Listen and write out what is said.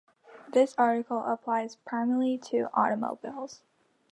This article applies primarily to automobiles.